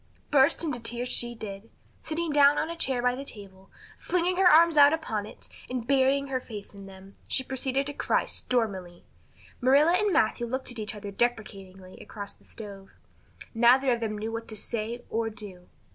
Burst into tears she did. Sitting down on a chair by the table, flinging her arms out upon it, and burying her face in them, she proceeded to cry stormily. Marilla and Matthew looked at each other deprecatingly across the stove. Neither of them knew what to say or do.